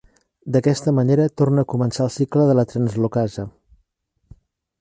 D'aquesta manera, torna a començar el cicle de la translocasa.